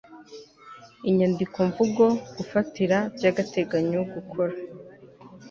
inyandikomvugo gufatira by agateganyo gukora